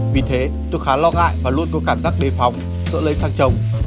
vì thế tôi khá lo ngại và luôn có cảm giác đề phóng sợ lấy sang chồng